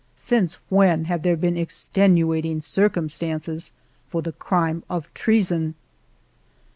Since when have there been extenuating circumstances for the crime of treason